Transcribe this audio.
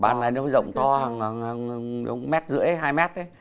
bàn này nó có rộng to một mét rưỡi hai mét ấy